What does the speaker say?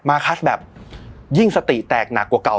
คัสแบบยิ่งสติแตกหนักกว่าเก่า